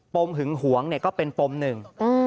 ปมหึงหวงเนี่ยก็เป็นปมหนึ่ง